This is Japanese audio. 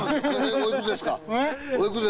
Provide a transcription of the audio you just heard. おいくつですか？